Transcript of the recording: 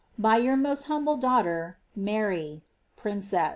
" By your most humble daughter, " Mart, Princtu."